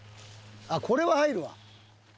あっこれは入るわ。